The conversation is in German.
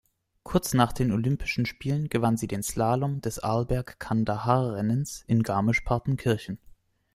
Kurz nach den Olympischen Spielen gewann sie den Slalom des Arlberg-Kandahar-Rennens in Garmisch-Partenkirchen.